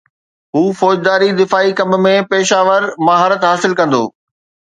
هو فوجداري دفاعي ڪم ۾ پيشه ور مهارت حاصل ڪندو